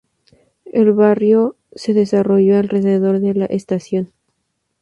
El barrio se desarrolló alrededor de la estación.